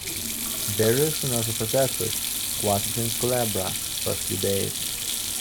Berrios and other protesters squatted in Culebra for a few days.